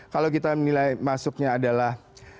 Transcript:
kalau kita menilai masuknya adalah